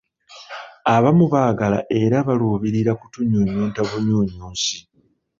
Abamu baagala era baluubirira kutunyunyunta bunyunyusi.